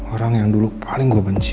orang yang dulu paling gue benci